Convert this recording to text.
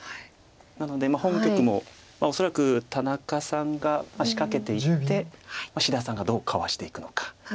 なのでもう本局も恐らく田中さんが仕掛けていって志田さんがどうかわしていくのか。